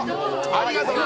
ありがとうな！